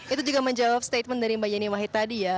itu juga menjawab statement dari mbak yeni wahid tadi ya